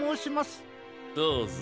どうぞ。